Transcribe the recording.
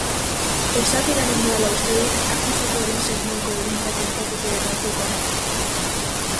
Esatera nindoala uste dut akusatuaren sermoiko egintzak gertatu ziren auzokoa naizela.